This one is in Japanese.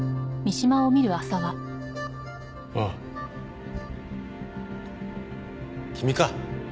ああ君か。